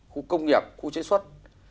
khu công nghiệp khu chế xuất